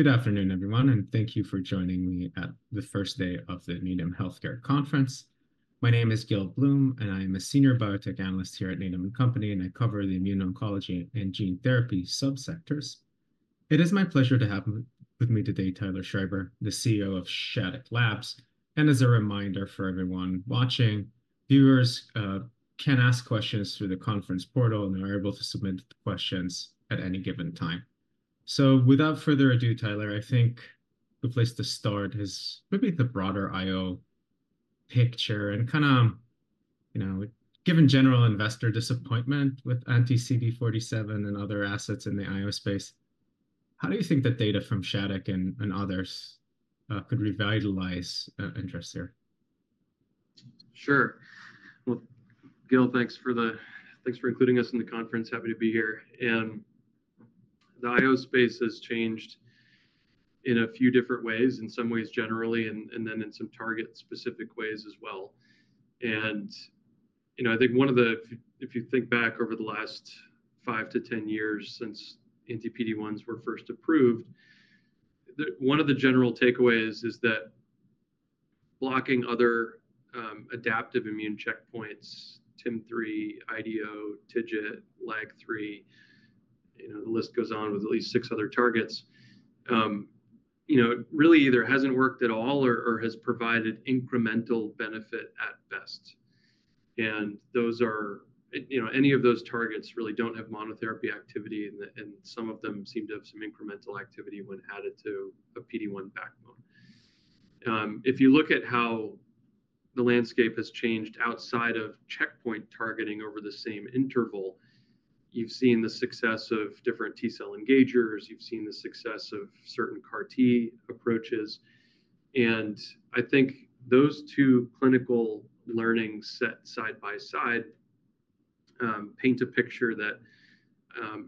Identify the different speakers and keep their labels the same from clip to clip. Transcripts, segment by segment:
Speaker 1: Good afternoon, everyone, and thank you for joining me at the first day of the Needham Healthcare Conference. My name is Gil Blum, and I am a senior biotech analyst here at Needham & Company, and I cover the immuno-oncology and gene therapy subsectors. It is my pleasure to have with me today Taylor Schreiber, the CEO of Shattuck Labs. And as a reminder for everyone watching, viewers can ask questions through the conference portal, and they're able to submit questions at any given time. So without further ado, Taylor, I think the best place to start is maybe the broader I/O picture and kind of, you know, given general investor disappointment with anti-CD47 and other assets in the I/O space. How do you think that data from Shattuck and others could revitalize interest here?
Speaker 2: Sure. Well, Gil, thanks for including us in the conference. Happy to be here. The I/O space has changed in a few different ways, in some ways generally, and then in some target-specific ways as well. You know, I think one of the takeaways, if you think back over the last 5-10 years since PD-1s were first approved, is that blocking other adaptive immune checkpoints, TIM3, IDO, TIGIT, LAG3, you know, the list goes on with at least six other targets, you know, really either hasn't worked at all or has provided incremental benefit at best. Those are, you know, any of those targets really don't have monotherapy activity, and some of them seem to have some incremental activity when added to a PD-1 backbone. If you look at how the landscape has changed outside of checkpoint targeting over the same interval, you've seen the success of different T-cell engagers. You've seen the success of certain CAR-T approaches. And I think those two clinical learnings set side by side, paint a picture that,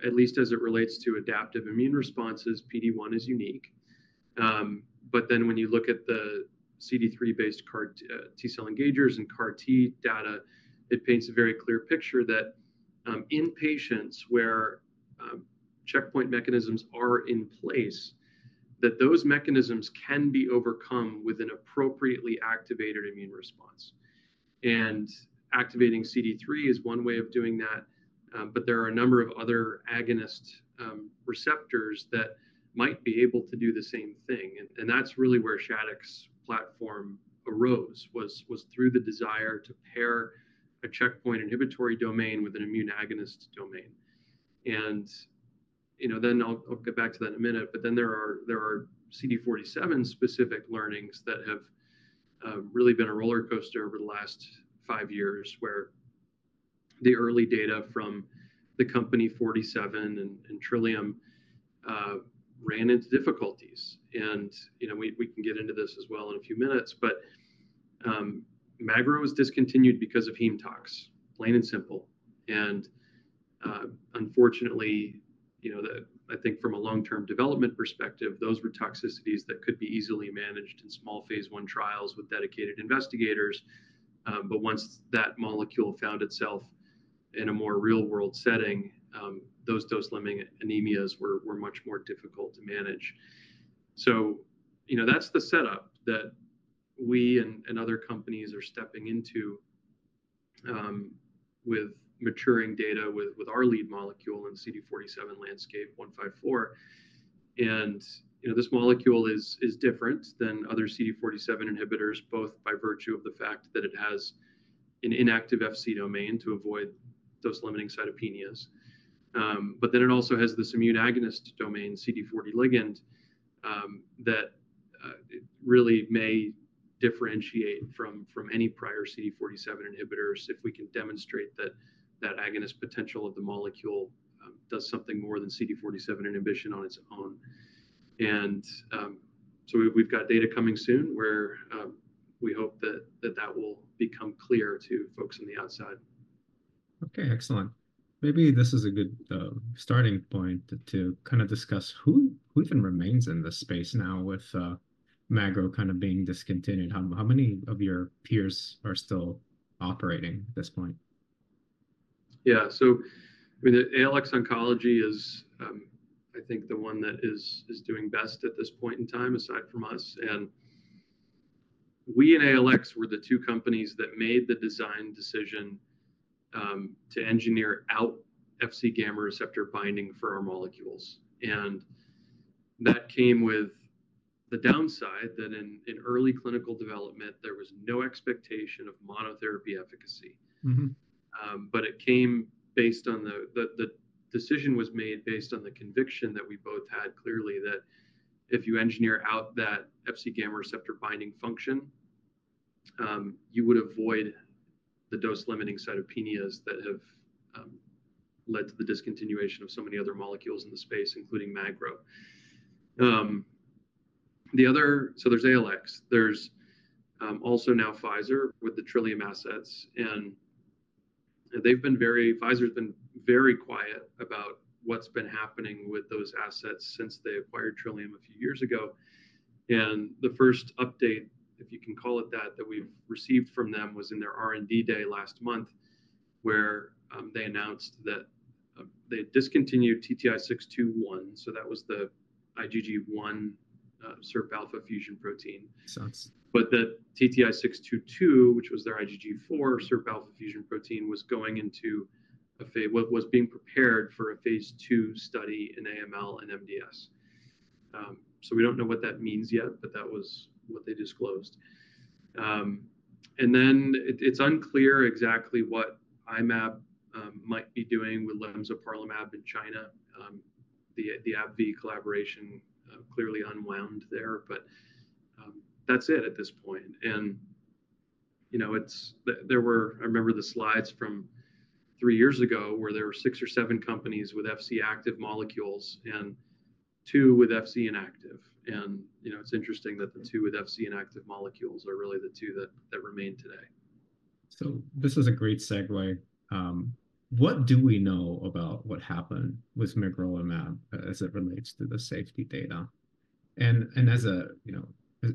Speaker 2: at least as it relates to adaptive immune responses, PD-1 is unique. But then when you look at the CD3-based CAR-T cell engagers and CAR-T data, it paints a very clear picture that, in patients where checkpoint mechanisms are in place, that those mechanisms can be overcome with an appropriately activated immune response. And activating CD3 is one way of doing that, but there are a number of other agonist receptors that might be able to do the same thing. And that's really where Shattuck's platform arose, was through the desire to pair a checkpoint inhibitory domain with an immune agonist domain. And, you know, then I'll get back to that in a minute, but then there are CD47-specific learnings that have really been a roller coaster over the last five years where the early data from the company Forty Seven and Trillium ran into difficulties. And, you know, we can get into this as well in a few minutes. But Magro was discontinued because of heme tox, plain and simple. And, unfortunately, you know, I think from a long-term development perspective, those were toxicities that could be easily managed in small phase 1 trials with dedicated investigators. But once that molecule found itself in a more real-world setting, those dose-limiting anemias were much more difficult to manage. You know, that's the setup that we and other companies are stepping into, with maturing data with our lead molecule in the CD47 landscape, SL-172154. You know, this molecule is different than other CD47 inhibitors, both by virtue of the fact that it has an inactive Fc domain to avoid dose-limiting cytopenias, but then it also has this immune agonist domain, CD40 ligand, that it really may differentiate from any prior CD47 inhibitors if we can demonstrate that agonist potential of the molecule does something more than CD47 inhibition on its own. So we've got data coming soon where we hope that that will become clear to folks on the outside.
Speaker 1: Okay, excellent. Maybe this is a good starting point to kind of discuss who even remains in this space now with magrolimab kind of being discontinued. How many of your peers are still operating at this point?
Speaker 2: Yeah, so, I mean, the ALX Oncology is, I think, the one that is doing best at this point in time aside from us. And we and ALX were the 2 companies that made the design decision to engineer out Fc gamma receptor binding for our molecules. And that came with the downside that in early clinical development, there was no expectation of monotherapy efficacy.
Speaker 1: Mm-hmm.
Speaker 2: but it came based on the decision was made based on the conviction that we both had clearly that if you engineer out that Fc gamma receptor binding function, you would avoid the dose-limiting cytopenias that have led to the discontinuation of so many other molecules in the space, including magrolimab. The other, so there's ALX. There's also now Pfizer with the Trillium assets. And they've been very Pfizer's been very quiet about what's been happening with those assets since they acquired Trillium a few years ago. And the first update, if you can call it that, that we've received from them was in their R&D day last month where they announced that they discontinued TTI-621. So that was the IgG1 SIRPα fusion protein.
Speaker 1: Makes sense.
Speaker 2: But the TTI-622, which was their IgG4 SIRPα fusion protein, was being prepared for a phase 2 study in AML and MDS. So we don't know what that means yet, but that was what they disclosed. And then it's unclear exactly what I-Mab might be doing with lemzoparlimab in China. The AbbVie collaboration clearly unwound there. But that's it at this point. And you know, I remember the slides from 3 years ago where there were 6 or 7 companies with Fc active molecules and 2 with Fc inactive. And you know, it's interesting that the 2 with Fc inactive molecules are really the 2 that remain today.
Speaker 1: So this is a great segue. What do we know about what happened with magrolimab as it relates to the safety data? And as a, you know,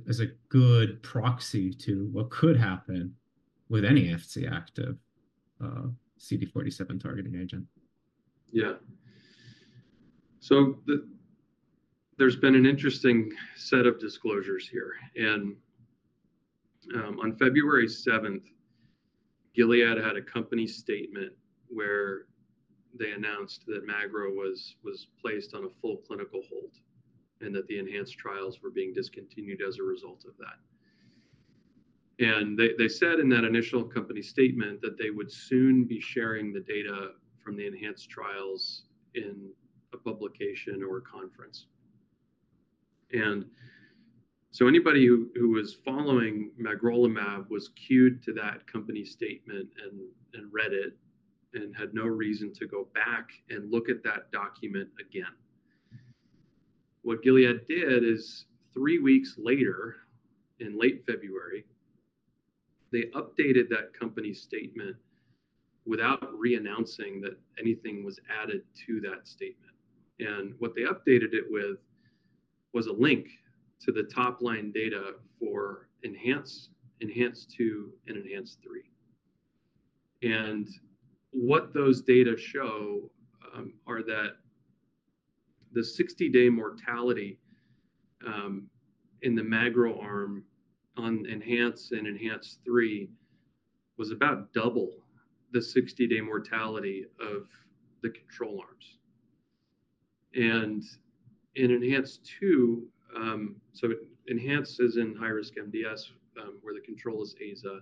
Speaker 1: as a good proxy to what could happen with any Fc active, CD47 targeting agent?
Speaker 2: Yeah. So there's been an interesting set of disclosures here. And, on February 7th, Gilead had a company statement where they announced that magrolimab was placed on a full clinical hold and that the ENHANCE trials were being discontinued as a result of that. And they said in that initial company statement that they would soon be sharing the data from the ENHANCE trials in a publication or a conference. And so anybody who was following magrolimab was clued to that company statement and read it and had no reason to go back and look at that document again. What Gilead did is, 3 weeks later, in late February, they updated that company statement without reannouncing that anything was added to that statement. And what they updated it with was a link to the top-line data for ENHANCE-2 and ENHANCE-3. What those data show are that the 60-day mortality in the Magro arm on ENHANCE and ENHANCE-3 was about double the 60-day mortality of the control arms. In ENHANCE-2, so ENHANCE is in high-risk MDS, where the control is AZA.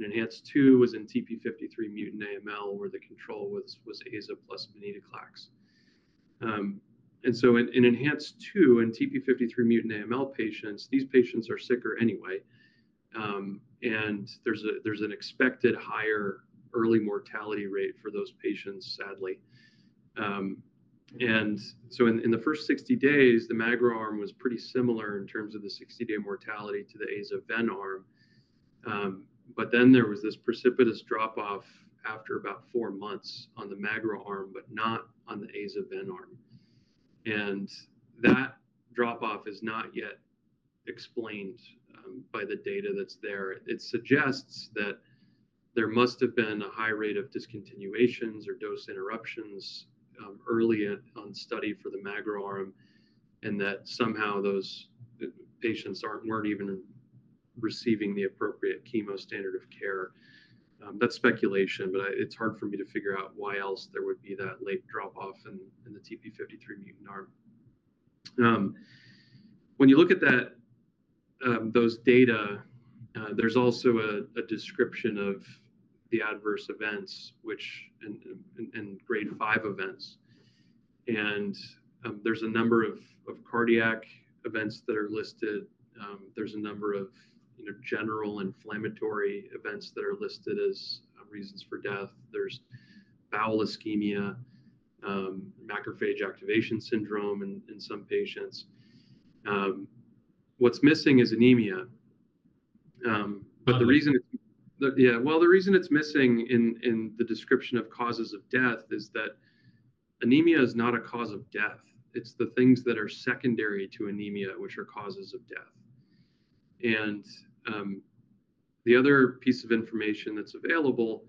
Speaker 2: ENHANCE-2 was in TP53-mutant AML where the control was AZA plus venetoclax. So in ENHANCE-2 and TP53-mutant AML patients, these patients are sicker anyway. And there's an expected higher early mortality rate for those patients, sadly. So in the first 60 days, the Magro arm was pretty similar in terms of the 60-day mortality to the AZA ven arm. But then there was this precipitous drop-off after about four months on the Magro arm but not on the AZA ven arm. That drop-off is not yet explained by the data that's there. It suggests that there must have been a high rate of discontinuations or dose interruptions early on study for the magrolimab arm and that somehow those patients weren't even receiving the appropriate chemo standard of care. That's speculation, but it's hard for me to figure out why else there would be that late drop-off in the TP53 mutant arm. When you look at those data, there's also a description of the adverse events, which, and grade 5 events. And, there's a number of cardiac events that are listed. There's a number of, you know, general inflammatory events that are listed as reasons for death. There's bowel ischemia, macrophage activation syndrome in some patients. What's missing is anemia. But the reason it's missing in the description of causes of death is that anemia is not a cause of death. It's the things that are secondary to anemia which are causes of death. And the other piece of information that's available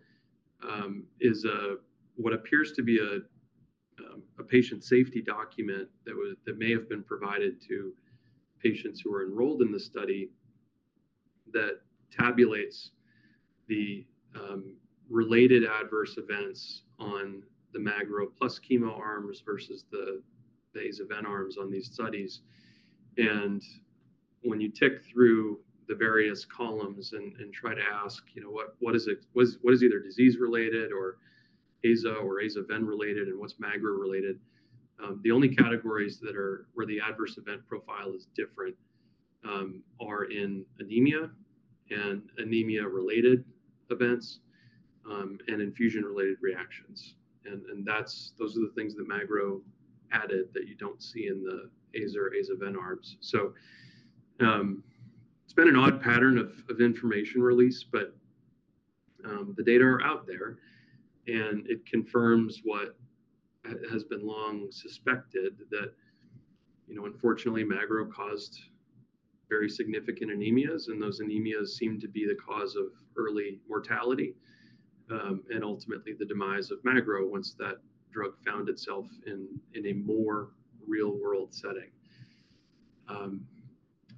Speaker 2: is what appears to be a patient safety document that may have been provided to patients who are enrolled in the study that tabulates the related adverse events on the Magro plus chemo arms versus the AZA ven arms on these studies. And when you tick through the various columns and try to ask, you know, what is it, what is either disease-related or AZA or AZA ven-related and what's Magro-related, the only categories that are where the adverse event profile is different are in anemia and anemia-related events, and infusion-related reactions. And that's those are the things that Magro added that you don't see in the AZA or AZA ven arms. So, it's been an odd pattern of information release, but the data are out there, and it confirms what has been long suspected that, you know, unfortunately, Magro caused very significant anemias, and those anemias seem to be the cause of early mortality, and ultimately the demise of Magro once that drug found itself in a more real-world setting.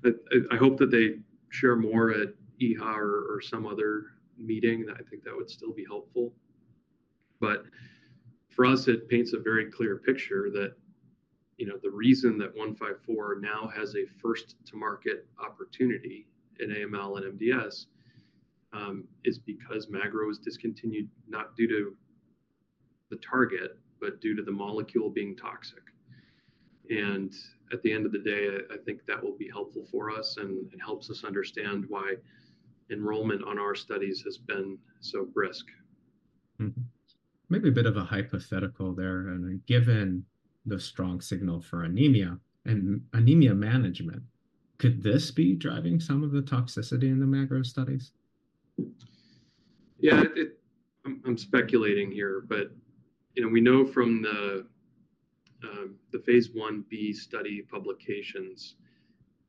Speaker 2: I hope that they share more at EHA or some other meeting. I think that would still be helpful. But for us, it paints a very clear picture that, you know, the reason that 154 now has a first-to-market opportunity in AML and MDS, is because Magro was discontinued not due to the target but due to the molecule being toxic. At the end of the day, I think that will be helpful for us and helps us understand why enrollment on our studies has been so brisk.
Speaker 1: Mm-hmm. Maybe a bit of a hypothetical there. And given the strong signal for anemia and anemia management, could this be driving some of the toxicity in the magrolimab studies?
Speaker 2: Yeah, I'm speculating here, but, you know, we know from the phase 1B study publications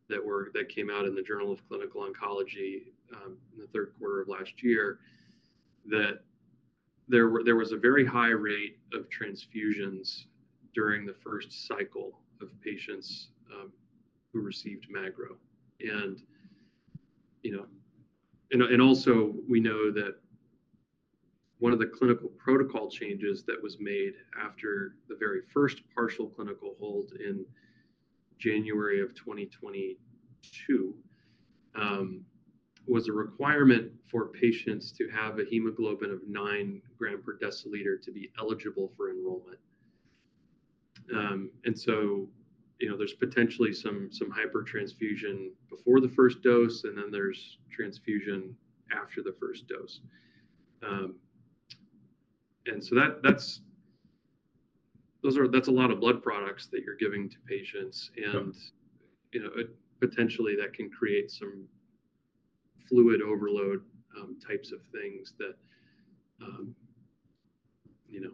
Speaker 2: that came out in the Journal of Clinical Oncology, in the 3rd quarter of last year that there was a very high rate of transfusions during the 1st cycle of patients who received magrolimab. And, you know, and also, we know that one of the clinical protocol changes that was made after the very 1st partial clinical hold in January of 2022 was a requirement for patients to have a hemoglobin of 9 g/dL to be eligible for enrollment. And so, you know, there's potentially some hypertransfusion before the 1st dose, and then there's transfusion after the 1st dose. And so that's a lot of blood products that you're giving to patients. You know, it potentially that can create some fluid overload, types of things that, you know,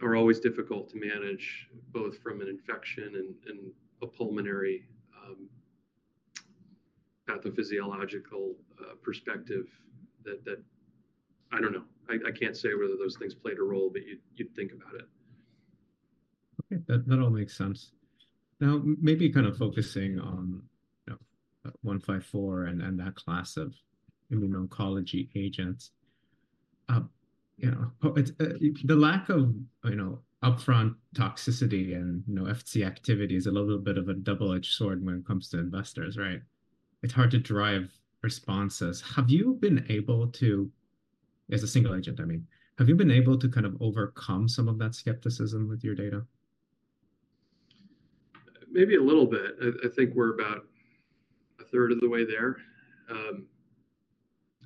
Speaker 2: are always difficult to manage both from an infection and a pulmonary, pathophysiological, perspective that I don't know. I can't say whether those things played a role, but you'd think about it.
Speaker 1: Okay, that all makes sense. Now, maybe kind of focusing on, you know, 154 and that class of immune oncology agents. You know, it's the lack of, you know, upfront toxicity and, you know, Fc activity is a little bit of a double-edged sword when it comes to investors, right? It's hard to drive responses. Have you been able to as a single agent, I mean, have you been able to kind of overcome some of that skepticism with your data?
Speaker 2: Maybe a little bit. I think we're about a third of the way there.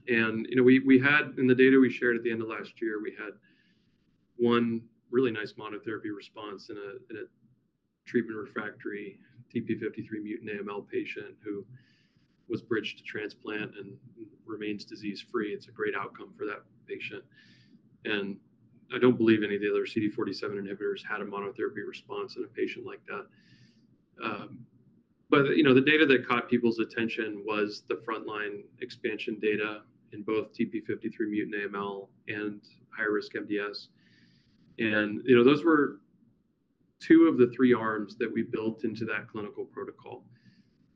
Speaker 2: And, you know, we had in the data we shared at the end of last year, we had one really nice monotherapy response in a treatment refractory TP53 mutant AML patient who was bridged to transplant and remains disease-free. It's a great outcome for that patient. And I don't believe any of the other CD47 inhibitors had a monotherapy response in a patient like that. But, you know, the data that caught people's attention was the front-line expansion data in both TP53 mutant AML and high-risk MDS. And, you know, those were two of the three arms that we built into that clinical protocol.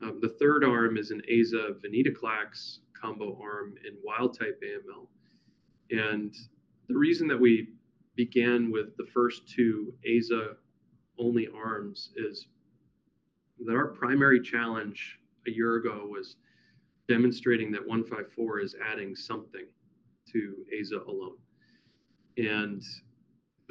Speaker 2: The third arm is an AZA venetoclax combo arm in wild-type AML. The reason that we began with the first two AZA-only arms is that our primary challenge a year ago was demonstrating that 154 is adding something to AZA alone.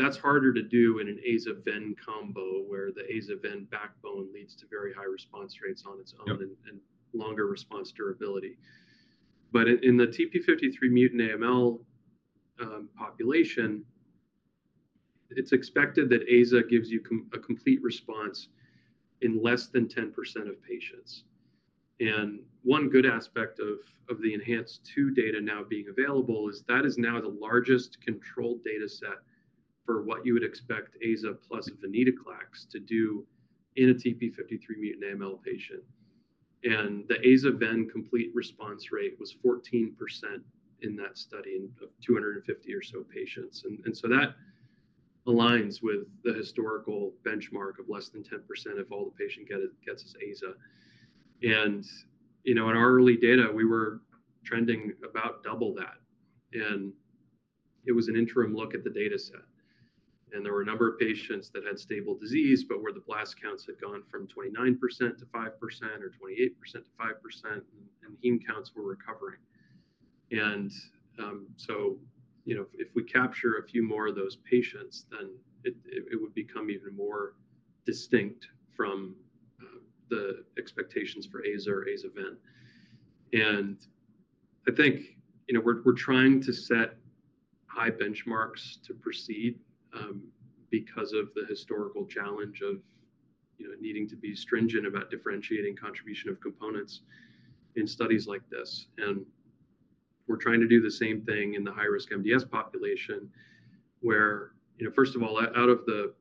Speaker 2: That's harder to do in an AZA ven combo where the AZA ven backbone leads to very high response rates on its own and longer response durability. But in the TP53-mutant AML population, it's expected that AZA gives you a complete response in less than 10% of patients. One good aspect of the VIALE-A data now being available is that it is now the largest controlled dataset for what you would expect AZA plus venetoclax to do in a TP53-mutant AML patient. The AZA ven complete response rate was 14% in that study of 250 or so patients. And so that aligns with the historical benchmark of less than 10% if all the patient gets his AZA. And, you know, in our early data, we were trending about double that. And it was an interim look at the dataset. And there were a number of patients that had stable disease but where the blast counts had gone from 29% to 5% or 28% to 5%, and heme counts were recovering. And, so, you know, if we capture a few more of those patients, then it would become even more distinct from, the expectations for AZA or AZA ven. And I think, you know, we're trying to set high benchmarks to proceed, because of the historical challenge of, you know, needing to be stringent about differentiating contribution of components in studies like this. We're trying to do the same thing in the high-risk MDS population where, you know, first of all, out of the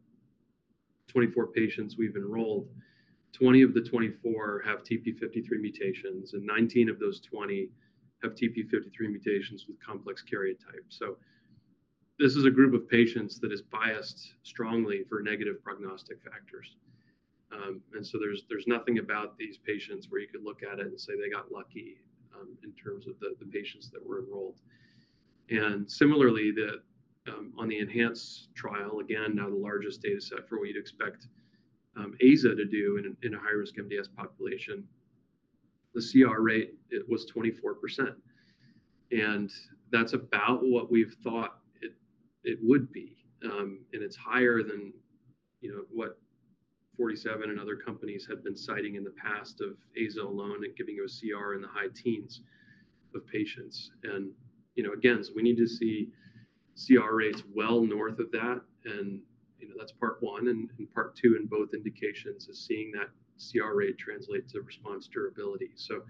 Speaker 2: 24 patients we've enrolled, 20 of the 24 have TP53 mutations, and 19 of those 20 have TP53 mutations with complex karyotypes. So this is a group of patients that is biased strongly for negative prognostic factors. And so there's nothing about these patients where you could look at it and say they got lucky, in terms of the patients that were enrolled. And similarly, on the enhanced trial, again, now the largest dataset for what you'd expect, AZA to do in a high-risk MDS population, the CR rate, it was 24%. And that's about what we've thought it would be. And it's higher than, you know, what 47 and other companies had been citing in the past of AZA alone and giving you a CR in the high teens of patients. And, you know, again, we need to see CR rates well north of that. And, you know, that's part 1. And part 2 in both indications is seeing that CR rate translate to response durability. So,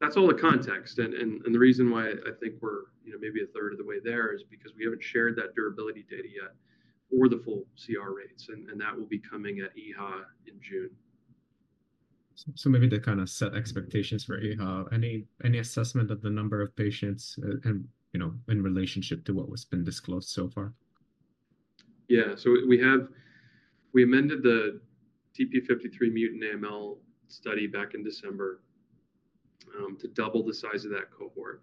Speaker 2: that's all the context. And the reason why I think we're, you know, maybe a third of the way there is because we haven't shared that durability data yet or the full CR rates. And that will be coming at EHA in June.
Speaker 1: Maybe to kind of set expectations for EHA, any assessment of the number of patients and, you know, in relationship to what has been disclosed so far?
Speaker 2: Yeah, so we have amended the TP53 mutant AML study back in December, to double the size of that cohort.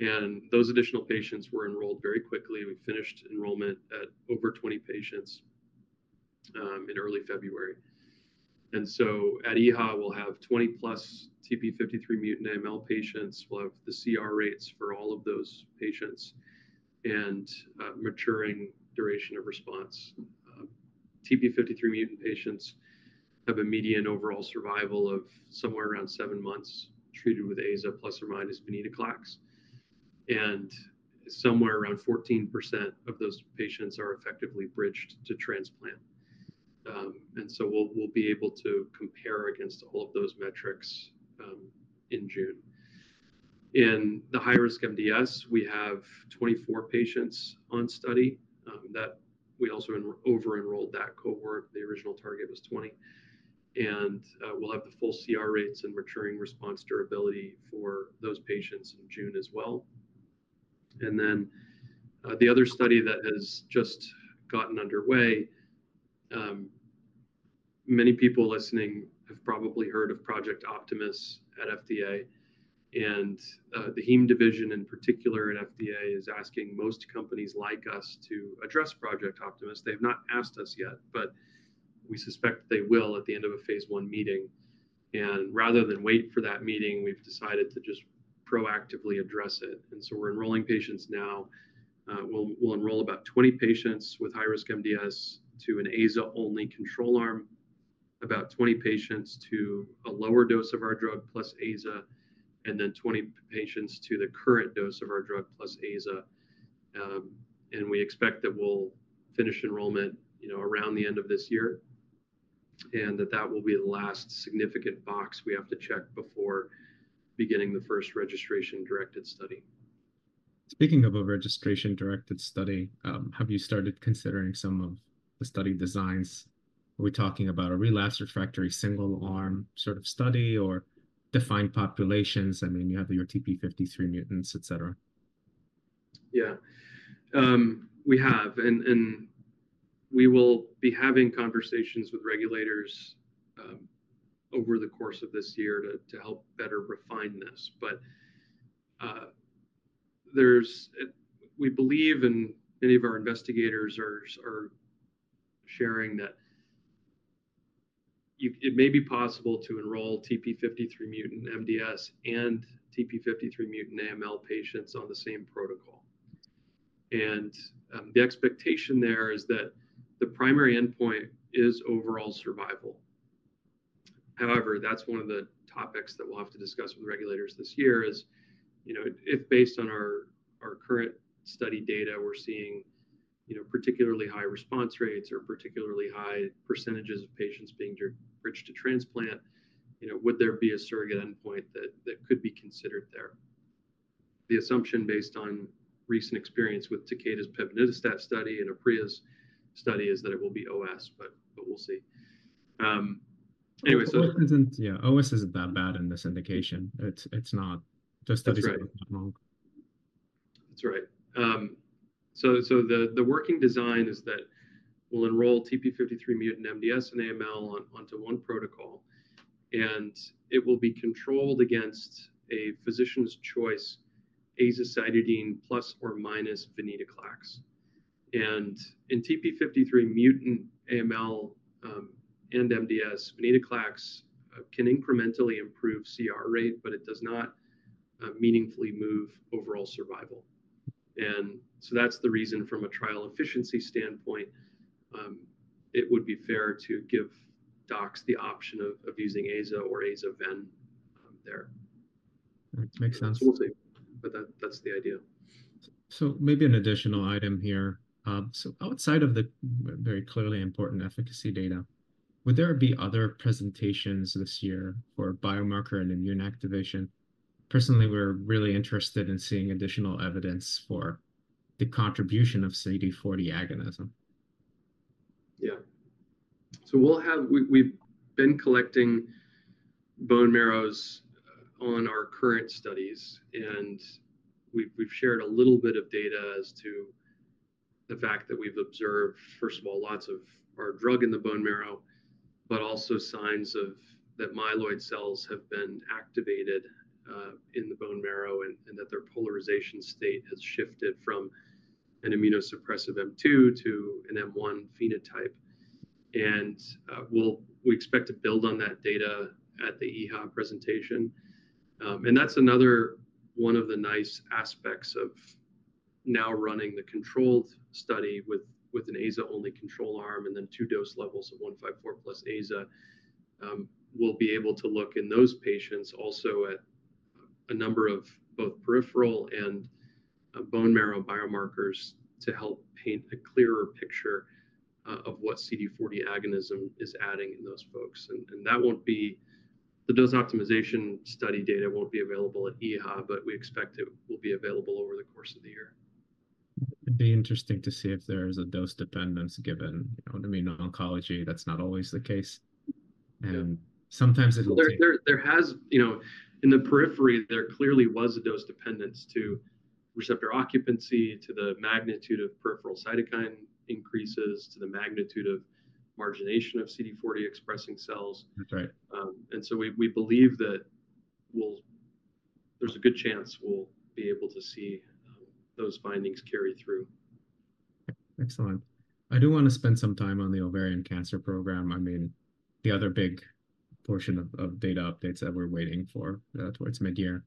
Speaker 2: And those additional patients were enrolled very quickly. We finished enrollment at over 20 patients, in early February. And so at EHA, we'll have 20+ TP53 mutant AML patients. We'll have the CR rates for all of those patients and maturing duration of response. TP53 mutant patients have a median overall survival of somewhere around 7 months treated with AZA plus or minus venetoclax. And somewhere around 14% of those patients are effectively bridged to transplant, and so we'll be able to compare against all of those metrics, in June. In the high-risk MDS, we have 24 patients on study that we also over-enrolled that cohort. The original target was 20. We'll have the full CR rates and maturing response durability for those patients in June as well. Then, the other study that has just gotten underway, many people listening have probably heard of Project Optimus at FDA. The heme division in particular at FDA is asking most companies like us to address Project Optimus. They have not asked us yet, but we suspect they will at the end of a phase 1 meeting. Rather than wait for that meeting, we've decided to just proactively address it. So we're enrolling patients now. We'll enroll about 20 patients with high-risk MDS to an AZA-only control arm, about 20 patients to a lower dose of our drug plus AZA, and then 20 patients to the current dose of our drug plus AZA. We expect that we'll finish enrollment, you know, around the end of this year and that that will be the last significant box we have to check before beginning the 1st registration-directed study.
Speaker 1: Speaking of a registration-directed study, have you started considering some of the study designs? Are we talking about a relapse refractory single-arm sort of study or defined populations? I mean, you have your TP53 mutants, et cetera.
Speaker 2: Yeah, we have. And we will be having conversations with regulators over the course of this year to help better refine this. But, we believe, and many of our investigators are sharing that it may be possible to enroll TP53 mutant MDS and TP53 mutant AML patients on the same protocol. And, the expectation there is that the primary endpoint is overall survival. However, that's one of the topics that we'll have to discuss with regulators this year is, you know, if based on our current study data, we're seeing, you know, particularly high response rates or particularly high percentages of patients being bridged to transplant, you know, would there be a surrogate endpoint that could be considered there? The assumption based on recent experience with Takeda's pevonedistat study and Aprea's study is that it will be OS, but we'll see. anyway, so.
Speaker 1: Yeah, OS isn't that bad in this indication. It's not those studies are not wrong.
Speaker 2: That's right. That's right. So the working design is that we'll enroll TP53 mutant MDS and AML onto one protocol, and it will be controlled against a physician's choice azacitidine plus or minus venetoclax. And in TP53 mutant AML and MDS, venetoclax can incrementally improve CR rate, but it does not meaningfully move overall survival. And so that's the reason from a trial efficiency standpoint, it would be fair to give docs the option of using AZA or AZA ven, there.
Speaker 1: All right, makes sense.
Speaker 2: So we'll see. But that's the idea.
Speaker 1: Maybe an additional item here. Outside of the very clearly important efficacy data, would there be other presentations this year for biomarker and immune activation? Personally, we're really interested in seeing additional evidence for the contribution of CD40 agonism.
Speaker 2: Yeah. So we've been collecting bone marrows on our current studies, and we've shared a little bit of data as to the fact that we've observed, first of all, lots of our drug in the bone marrow, but also signs that myeloid cells have been activated in the bone marrow and that their polarization state has shifted from an immunosuppressive M2 to an M1 phenotype. And we expect to build on that data at the EHA presentation. And that's another one of the nice aspects of now running the controlled study with an AZA-only control arm and then 2 dose levels of 154 plus AZA. We'll be able to look in those patients also at a number of both peripheral and bone marrow biomarkers to help paint a clearer picture of what CD40 agonism is adding in those folks. That won't be the dose optimization study data won't be available at EHA, but we expect it will be available over the course of the year.
Speaker 1: It'd be interesting to see if there's a dose dependence given, you know, immune oncology. That's not always the case. Sometimes it will take.
Speaker 2: There has, you know, in the periphery, there clearly was a dose dependence to receptor occupancy, to the magnitude of peripheral cytokine increases, to the magnitude of margination of CD40 expressing cells.
Speaker 1: That's right.
Speaker 2: So we believe that we'll, there's a good chance we'll be able to see those findings carry through.
Speaker 1: Excellent. I do want to spend some time on the ovarian cancer program. I mean, the other big portion of data updates that we're waiting for, towards mid-year.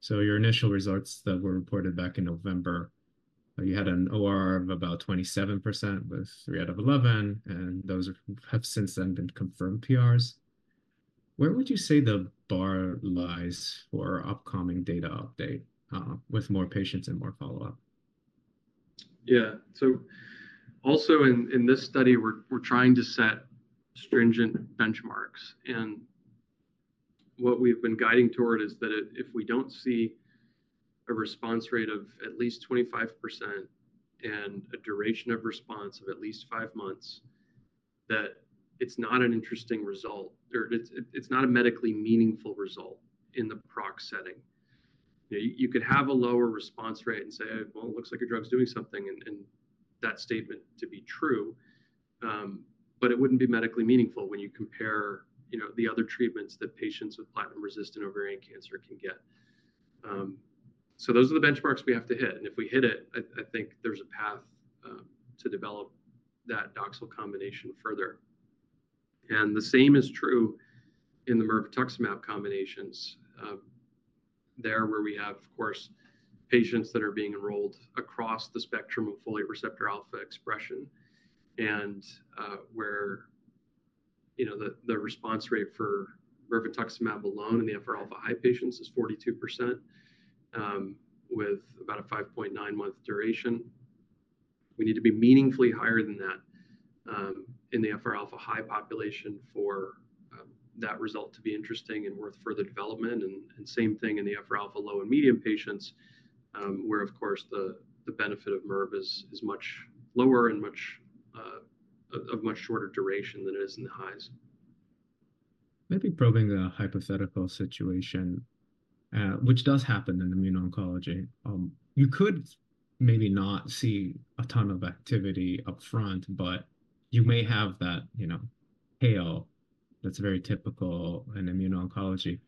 Speaker 1: So your initial results that were reported back in November, you had an OR of about 27% with three out of 11, and those have since then been confirmed PRs. Where would you say the bar lies for upcoming data update, with more patients and more follow-up?
Speaker 2: Yeah, so also in this study, we're trying to set stringent benchmarks. And what we've been guiding toward is that if we don't see a response rate of at least 25% and a duration of response of at least five months, that it's not an interesting result or it's not a medically meaningful result in the PROC setting. You know, you could have a lower response rate and say, "Well, it looks like your drug's doing something," and that statement to be true. But it wouldn't be medically meaningful when you compare, you know, the other treatments that patients with platinum-resistant ovarian cancer can get. So those are the benchmarks we have to hit. And if we hit it, I think there's a path to develop that Doxil combination further. And the same is true in the mirvetuximab combinations, where we have, of course, patients that are being enrolled across the spectrum of folate receptor alpha expression and, where, you know, the response rate for mirvetuximab alone in the FR-alpha high patients is 42%, with about a 5.9-month duration. We need to be meaningfully higher than that, in the FR-alpha high population for that result to be interesting and worth further development. And same thing in the FR-alpha low and medium patients, where, of course, the benefit of MIRVA is much lower and much shorter duration than it is in the highs.
Speaker 1: Maybe probing the hypothetical situation, which does happen in immune oncology, you could maybe not see a ton of activity upfront, but you may have that, you know, profile that's very typical in immune oncology.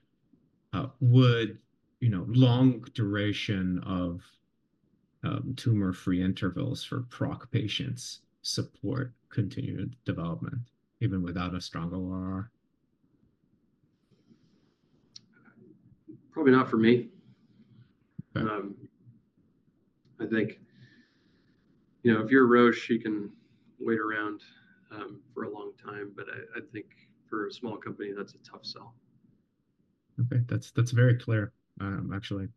Speaker 1: Would, you know, long duration of tumor-free intervals for PROC patients support continued development even without a strong OR?
Speaker 2: Probably not for me.
Speaker 1: Okay.
Speaker 2: I think, you know, if you're a Roche, she can wait around for a long time. But I think for a small company, that's a tough sell.
Speaker 1: Okay, that's very clear, actually.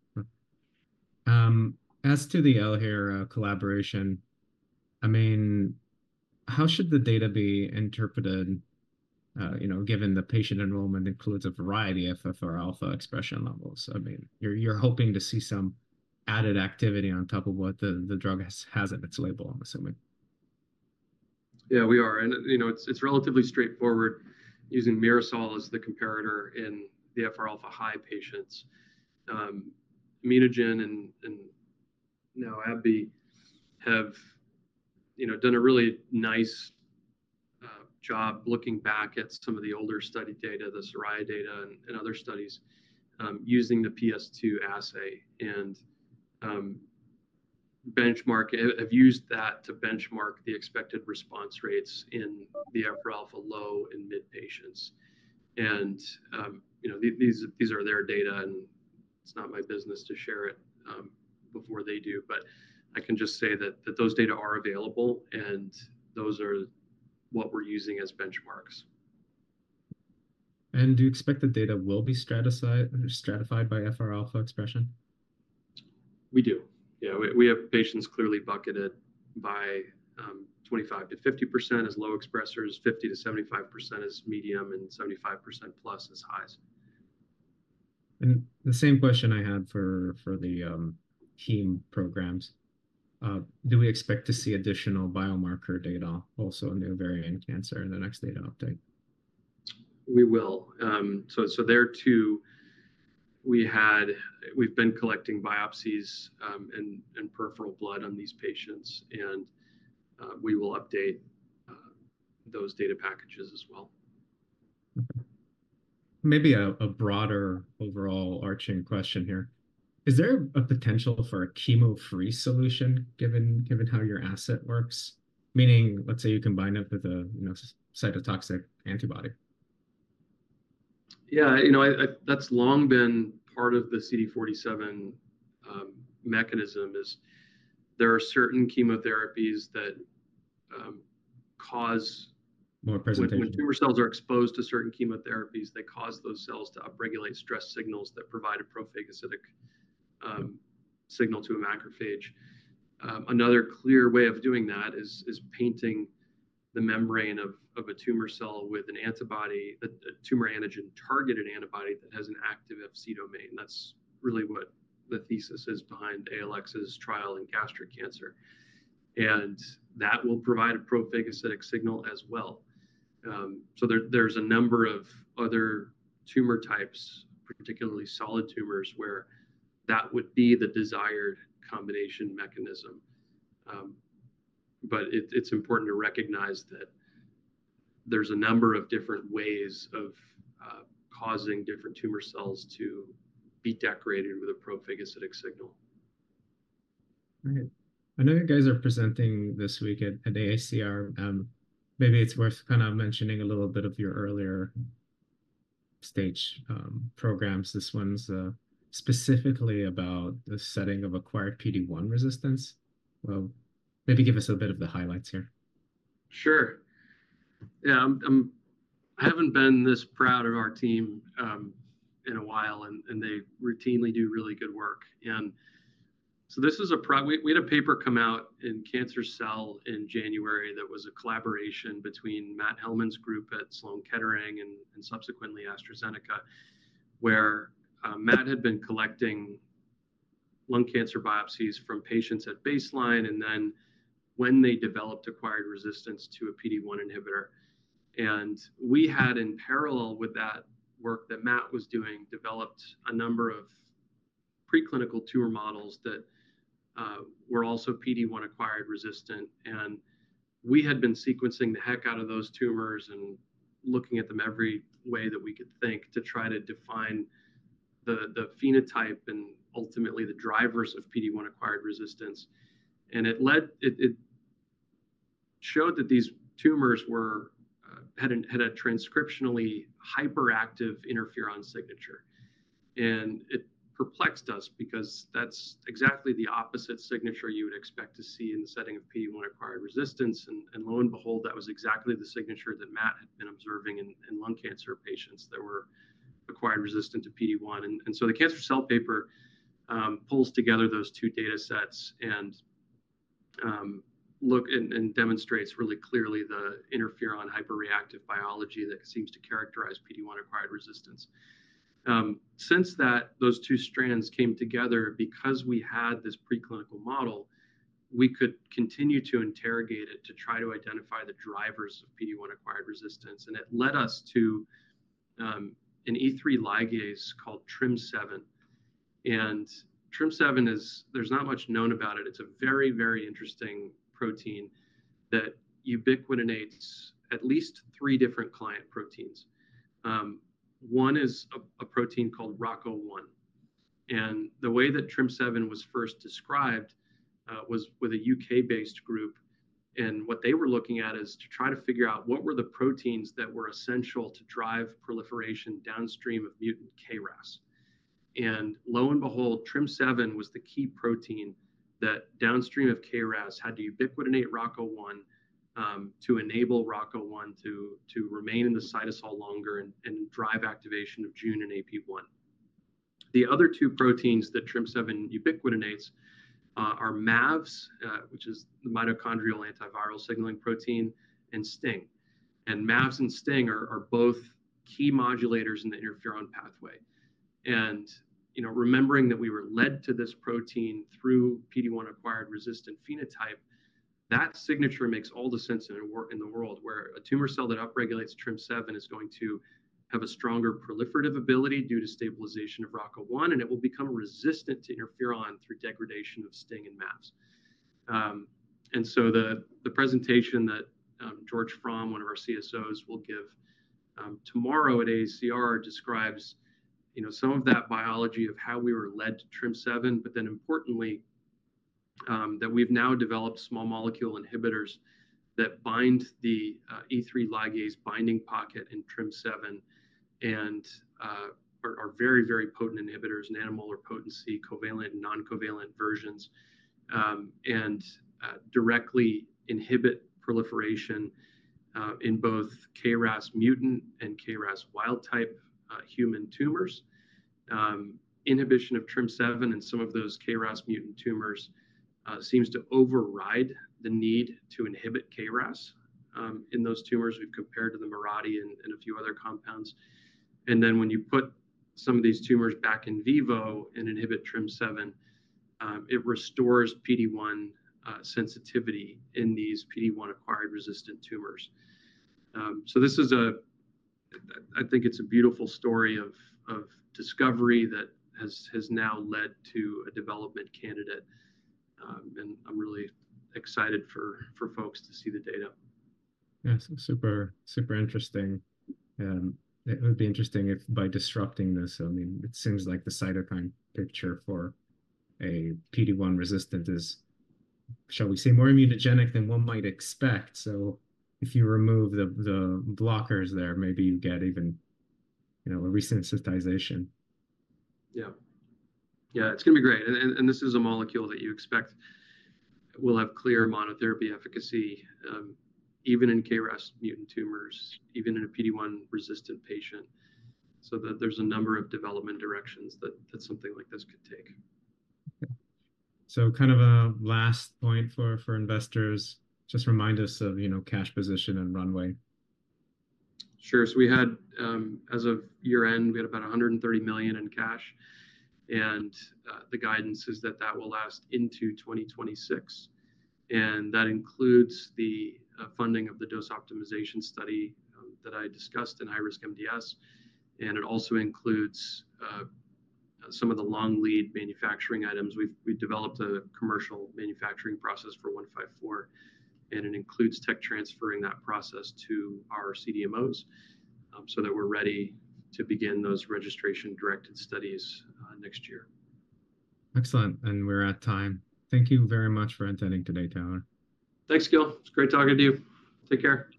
Speaker 1: As to the Elahere collaboration, I mean, how should the data be interpreted, you know, given the patient enrollment includes a variety of FR-alpha expression levels? I mean, you're hoping to see some added activity on top of what the drug has in its label, I'm assuming.
Speaker 2: Yeah, we are. And, you know, it's it's relatively straightforward using Mirasol as the comparator in the FR-alpha high patients. ImmunoGen and now AbbVie have, you know, done a really nice job looking back at some of the older study data, the Soraya data and other studies, using the PS2 assay and benchmarks have used that to benchmark the expected response rates in the FR-alpha low and mid patients. And, you know, these are their data, and it's not my business to share it before they do. But I can just say that those data are available, and those are what we're using as benchmarks.
Speaker 1: Do you expect the data will be stratified by FR-alpha expression?
Speaker 2: We do. Yeah, we have patients clearly bucketed by 25%-50% as low expressors, 50%-75% as medium, and 75%+ as highs.
Speaker 1: The same question I had for the heme programs. Do we expect to see additional biomarker data also in the ovarian cancer in the next data update?
Speaker 2: We will. So there too, we've been collecting biopsies and peripheral blood on these patients, and we will update those data packages as well.
Speaker 1: Okay. Maybe a broader overall overarching question here. Is there a potential for a chemo-free solution given how your asset works, meaning, let's say, you combine it with a, you know, cytotoxic antibody?
Speaker 2: Yeah, you know, I, that's long been part of the CD47 mechanism. There are certain chemotherapies that cause.
Speaker 1: More presentation.
Speaker 2: When tumor cells are exposed to certain chemotherapies, they cause those cells to upregulate stress signals that provide a prophagocytic signal to a macrophage. Another clear way of doing that is painting the membrane of a tumor cell with an antibody, a tumor antigen-targeted antibody that has an active Fc domain. That's really what the thesis is behind ALX's trial in gastric cancer. That will provide a prophagocytic signal as well. So there's a number of other tumor types, particularly solid tumors, where that would be the desired combination mechanism. But it's important to recognize that there's a number of different ways of causing different tumor cells to be decorated with a prophagocytic signal.
Speaker 1: All right. I know you guys are presenting this week at AACR. Maybe it's worth kind of mentioning a little bit of your earlier-stage programs. This one's specifically about the setting of acquired PD-1 resistance. Well, maybe give us a bit of the highlights here.
Speaker 2: Sure. Yeah, I haven't been this proud of our team in a while, and they routinely do really good work. So this is. We had a paper come out in Cancer Cell in January that was a collaboration between Matt Hellmann's group at Sloan Kettering and subsequently AstraZeneca, where Matt had been collecting lung cancer biopsies from patients at baseline and then when they developed acquired resistance to a PD1 inhibitor. We had, in parallel with that work that Matt was doing, developed a number of preclinical tumor models that were also PD1 acquired resistant. We had been sequencing the heck out of those tumors and looking at them every way that we could think to try to define the phenotype and ultimately the drivers of PD1 acquired resistance. And it led, it showed that these tumors were, had a transcriptionally hyperactive interferon signature. And it perplexed us because that's exactly the opposite signature you would expect to see in the setting of PD-1 acquired resistance. And lo and behold, that was exactly the signature that Matt had been observing in lung cancer patients that were acquired resistant to PD-1. And so the Cancer Cell paper pulls together those two data sets and demonstrates really clearly the interferon hyperreactive biology that seems to characterize PD-1 acquired resistance. Since those two strands came together, because we had this preclinical model, we could continue to interrogate it to try to identify the drivers of PD-1 acquired resistance. And it led us to an E3 ligase called TRIM7. And TRIM7 is; there's not much known about it. It's a very, very interesting protein that ubiquitinates at least three different client proteins. One is a protein called RACO1. The way that TRIM7 was first described was with a U.K.-based group. What they were looking at is to try to figure out what were the proteins that were essential to drive proliferation downstream of mutant KRAS. Lo and behold, TRIM7 was the key protein that downstream of KRAS had to ubiquitinate RACO1, to enable RACO1 to remain in the cytosol longer and drive activation of JUN and AP1. The other two proteins that TRIM7 ubiquitinates are MAVS, which is the mitochondrial antiviral signaling protein, and STING. MAVS and STING are both key modulators in the interferon pathway. And, you know, remembering that we were led to this protein through PD1 acquired resistant phenotype, that signature makes all the sense in the world where a tumor cell that upregulates TRIM7 is going to have a stronger proliferative ability due to stabilization of RACO1, and it will become resistant to interferon through degradation of STING and MAVS. And so the presentation that George Fromm, one of our CSOs, will give tomorrow at AACR describes, you know, some of that biology of how we were led to TRIM7, but then importantly, that we've now developed small molecule inhibitors that bind the E3 ligase binding pocket in TRIM7 and are very, very potent inhibitors in nanomolar potency, covalent and noncovalent versions, and directly inhibit proliferation in both KRAS mutant and KRAS wild type human tumors. Inhibition of TRIM7 in some of those KRAS mutant tumors seems to override the need to inhibit KRAS in those tumors we've compared to the Mirati and a few other compounds. Then when you put some of these tumors back in vivo and inhibit TRIM7, it restores PD-1 sensitivity in these PD-1 acquired resistant tumors. This is, I think, a beautiful story of discovery that has now led to a development candidate. I'm really excited for folks to see the data.
Speaker 1: Yeah, so super, super interesting. It would be interesting if by disrupting this, I mean, it seems like the cytokine picture for a PD1 resistant is, shall we say, more immunogenic than one might expect. So if you remove the blockers there, maybe you get even, you know, a resensitization.
Speaker 2: Yeah. Yeah, it's going to be great. And this is a molecule that you expect will have clear monotherapy efficacy, even in KRAS mutant tumors, even in a PD-1 resistant patient. So that there's a number of development directions that something like this could take.
Speaker 1: Okay. So kind of a last point for investors, just remind us of, you know, cash position and runway.
Speaker 2: Sure. So we had, as of year-end, about $130 million in cash. The guidance is that that will last into 2026. And that includes the funding of the dose optimization study that I discussed in high-risk MDS. And it also includes some of the long lead manufacturing items. We've developed a commercial manufacturing process for 154, and it includes tech transferring that process to our CDMOs, so that we're ready to begin those registration-directed studies next year.
Speaker 1: Excellent. We're at time. Thank you very much for attending today, Taylor.
Speaker 2: Thanks, Gil. It's great talking to you. Take care.